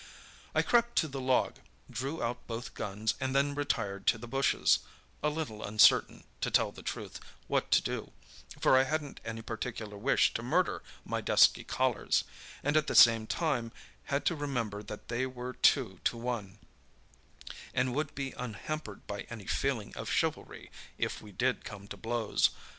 "I crept to the log, drew out both guns, and then retired to the bushes—a little uncertain, to tell the truth, what to do, for I hadn't any particular wish to murder my dusky callers; and at the same time, had to remember that they were two to one, and would be unhampered by any feeling of chivalry, if we did come to blows.